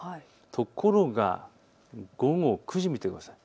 ところが午後９時を見てください。